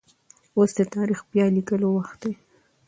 اوس د تاريخ بيا ليکلو وخت دی.